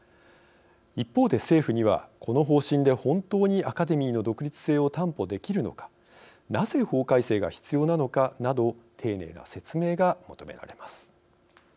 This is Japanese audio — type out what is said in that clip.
一方で政府には、この方針で本当にアカデミーの独立性を担保できるのかなぜ法改正が必要なのかなど丁寧な説明が求められます。